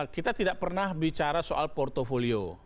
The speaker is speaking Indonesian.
kita tidak pernah bicara soal portfolio